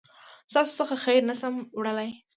ستاسو څخه خير نسم وړلای